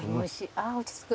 あ落ち着く。